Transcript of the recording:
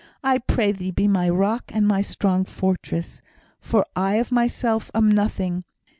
I pray Thee be my rock and my strong fortress, for I of myself am nothing.